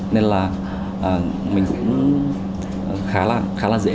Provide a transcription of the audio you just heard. nên là mình cũng khá là dễ